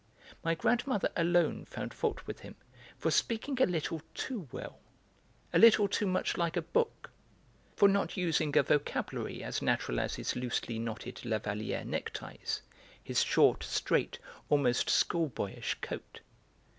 My grandmother alone found fault with him for speaking a little too well, a little too much like a book, for not using a vocabulary as natural as his loosely knotted Lavallière neckties, his short, straight, almost schoolboyish coat.